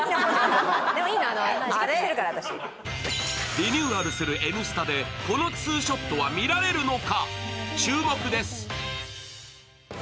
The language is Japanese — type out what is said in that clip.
リニューアルする「Ｎスタ」でこのツーショットは見られるのか？